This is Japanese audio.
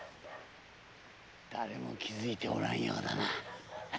誰も気づいてはおらんようだな。